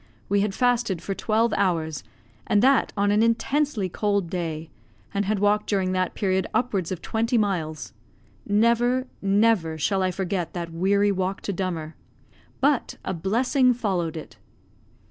We had fasted for twelve hours, and that on an intensely cold day, and had walked during that period upwards of twenty miles. Never, never shall I forget that weary walk to Dummer; but a blessing followed it.